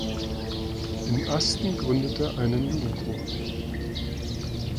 In Asten gründete einen Jugendchor.